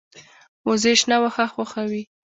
وزې شنه واښه خوښوي